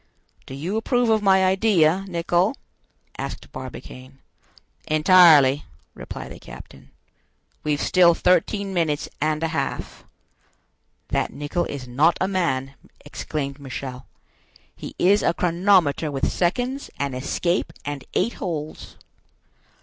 "Do you approve of my idea, Nicholl?" asked Barbicane. "Entirely," replied the captain. "We've still thirteen minutes and a half." "That Nicholl is not a man," exclaimed Michel; "he is a chronometer with seconds, an escape, and eight holes."